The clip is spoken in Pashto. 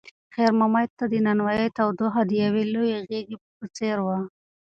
خیر محمد ته د نانوایۍ تودوخه د یوې لویې غېږې په څېر وه.